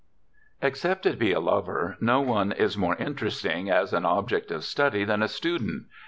EXCEPT it be a lover, no one is more interesting as an object of study than a student.